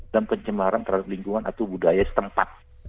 dan pencemaran terhadap lingkungan atau budaya setempat